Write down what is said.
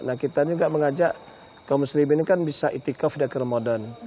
nah kita juga mengajak kaum muslimin kan bisa itikaf di akhir ramadan